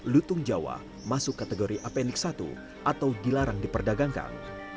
lutung jawa masuk kategori apenic satu atau dilarang diperdagangkan